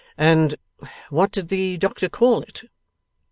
And what did the doctor call it?